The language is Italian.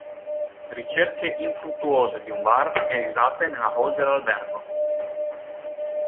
Ricerche infruttuose di un bar e risate nella hall dell'albergo.